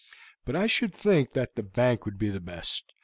But I should think that the bank would be the best.